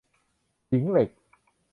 หญิงเหล็ก